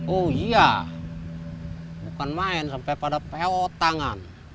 oh iya bukan main sampai pada peo tangan